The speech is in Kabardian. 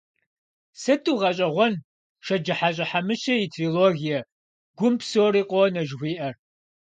Сыту гъэщӏэгъуэн Шэджыхьэщӏэ Хьэмыщэ и трилогие «Гум псори къонэ» жыхуиӏэр!